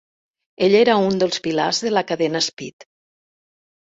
Ell era uns dels pilars de la cadena Speed.